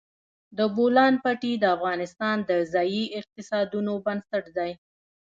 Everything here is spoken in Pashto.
د بولان پټي د افغانستان د ځایي اقتصادونو بنسټ دی.